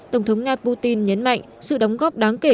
tổng thống nga putin nhấn mạnh sự đóng góp đáng kể